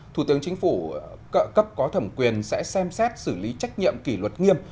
thủ tướng chính phủ cấp có thẩm quyền sẽ xem xét xử lý trách nhiệm kỷ luật nghiêm